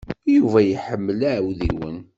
Yuba iḥemmel iɛewdiwen.